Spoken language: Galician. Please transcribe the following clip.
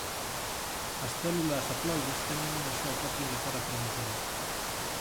As células haploides teñen unha soa copia de cada cromosoma.